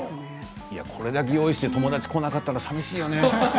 これだけ用意して友達が来なかったら寂しいよね。